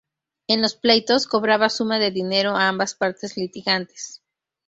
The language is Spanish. En los pleitos, cobraba suma de dinero a ambas partes litigantes.